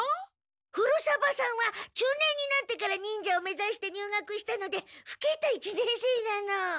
古サバさんは中年になってから忍者を目ざして入学したのでふけた一年生なの。